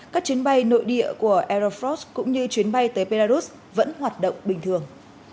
các chuyến bay nội địa của air force cũng như chuyến bay tới belarus vẫn hoạt động bình thường